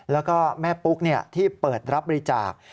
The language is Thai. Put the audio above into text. แล้วก็แม่ปุ๊กที่เปิดรับบริจาค